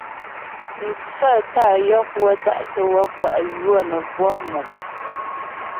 Mfaə́ tá yɔk wə́ da'tə́ wɔk kwá ywə́ nə́ bwɔk mò.